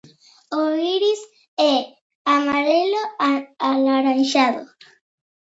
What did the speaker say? El iris es amarillo-anaranjado.